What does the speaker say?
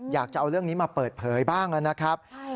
อยากจะเอาเรื่องนี้มาเปิดเผยบ้างนะครับ